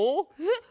えっ？